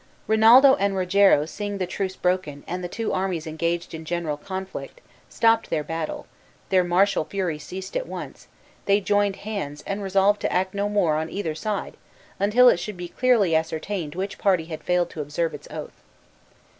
Rinaldo and Rogero, seeing the truce broken, and the two armies engaged in general conflict, stopped their battle; their martial fury ceased at once, they joined hands, and resolved to act no more on either side until it should be clearly ascertained which party had failed to observe its oath.